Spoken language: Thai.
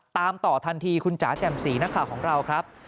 ตามต่อทันทีคุณจ๋าแจ่มสีนักข่าวของเราครับ